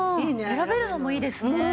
選べるのもいいですね。